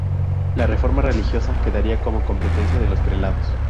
La reforma religiosa quedaría como competencia de los prelados.